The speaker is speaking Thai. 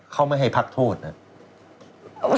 เขาไม่ให้พักโทษนะ